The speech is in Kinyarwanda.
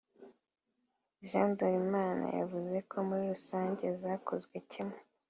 Jean Ndorimana yavuze ko muri rusange zakozwe kimwe